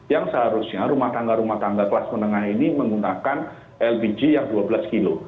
yang seharusnya rumah tangga rumah tangga kelas menengah ini menggunakan lpg yang dua belas kg